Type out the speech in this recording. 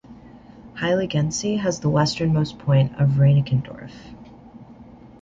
Heiligensee has the westernmost point of Reinickendorf.